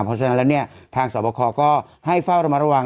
เพราะฉะนั้นแล้วเนี่ยทางสวบคก็ให้เฝ้าระมัดระวัง